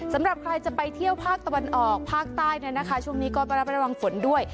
สำหรับใครจะไปเที่ยวภาคตะวันออกภาคใต้เนี่ยนะคะช่วงนี้ก็รับระวังฝนด้วย